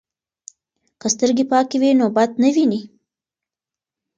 که سترګې پاکې وي نو بد نه ویني.